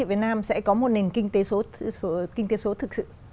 việt nam sẽ có một nền kinh tế số thực sự